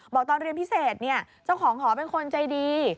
บอกตอนเรียนพิเศษเนี่ยเจ้าของหอเป็นคนใจดี